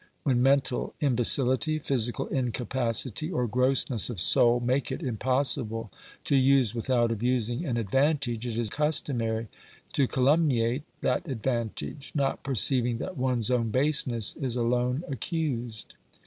When mental im becility, physical incapacity, or grossness of soul make it impossible to use without abusing an advantage, it is customary to calumniate that advantage, not perceiving that one's own baseness is alone accused.